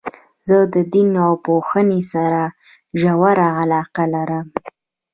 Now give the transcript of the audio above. زه د دین پوهني سره ژوره علاقه لرم.